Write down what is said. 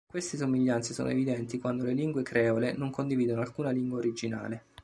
Queste somiglianze sono evidenti quando le lingue creole non condividono alcuna lingua originale.